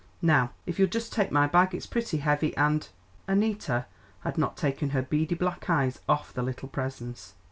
Now if you'll just take my bag, it's pretty heavy, and " Annita had not taken her beady black eyes off the little presence.